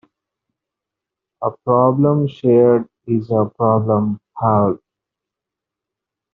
A problem shared is a problem halved.